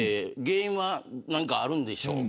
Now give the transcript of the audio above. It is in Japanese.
原因は何かあるんでしょう。